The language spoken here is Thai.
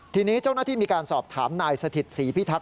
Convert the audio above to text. ทีนี้เจ้าหน้าที่มีการสอบถามนายสถิตศรีพิทักษ